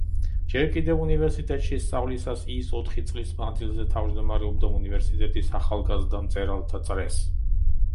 ჯერ კიდევ უნივერსიტეტში სწავლისას, ის, ოთხი წლის მანძილზე, თავმჯდომარეობდა უნივერსიტეტის ახალგაზრდა მწერალთა წრეს.